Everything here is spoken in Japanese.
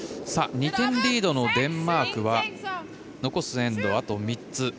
２点リードのデンマークは残すエンドはあと３つ。